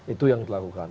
itu yang dilakukan